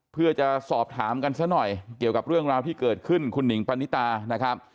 เพื่อจะสอบถามกันซะหน่อยเกี่ยวกับเรื่องราวที่เกิดขึ้นคุณหนิงปณิตานะครับ